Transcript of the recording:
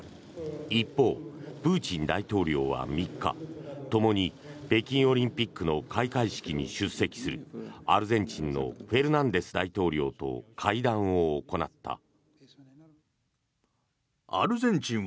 一方、プーチン大統領は３日ともに北京オリンピックの開会式に出席するアルゼンチンのフェルナンデス大統領と会談を行った。